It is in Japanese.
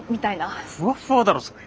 ふわっふわだろそれ。